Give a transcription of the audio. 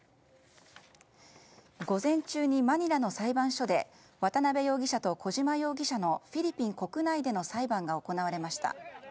午前中にマニラの裁判所で渡辺容疑者と小島容疑者のフィリピン国内での裁判が行われました。